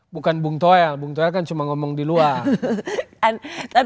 bukan bung toel bung toel kan cuma ngomong di luar